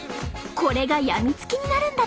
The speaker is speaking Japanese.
これがやみつきになるんだとか！